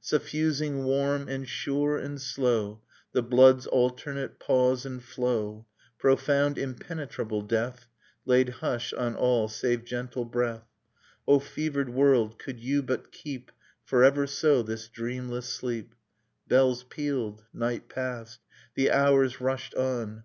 Suffusing warm and sure and slow The blood's alternate pause and flow; Profound impenetrable death Laid hush on all save gentle breath ... O fevered world could you but keep Nocturne of Remembered Spring Forever so this dreamless sleep !... Bells pealed. Night passed. The hours rushed on.